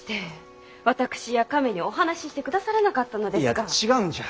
いや違うんじゃ。